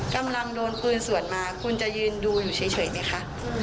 กำลังโดนปืนสวดมาคุณจะยืนดูอยู่เฉยไหมคะ